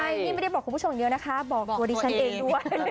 ใช่นี่ไม่ได้บอกคุณผู้ชมเยอะนะคะบอกตัวดิฉันเองด้วย